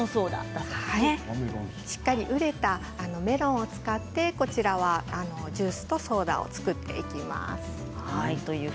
しっかり熟れたメロンを使ってこちらはジュースとソーダを作っていきます。